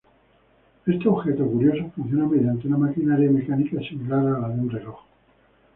Este objeto curioso funciona mediante una maquinaria mecánica similar a la de un reloj.